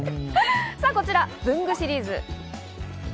こちら文具シリーズ。